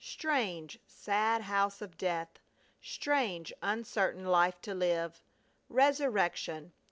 Strange, sad house of death! Strange, uncertain life to live. Resurrection!